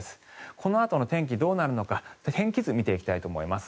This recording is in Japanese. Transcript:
このあとの天気どうなるのか天気図を見ていきたいと思います。